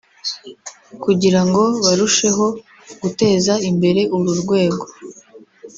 kugira ngo barusheho guteza imbere uru rwego